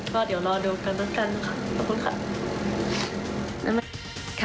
ก็เดี๋ยวรอดูกันแล้วกันค่ะขอบคุณค่ะ